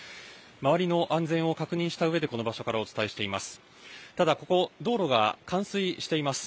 周りの安全を確認したうえでこの場所からお伝えしています。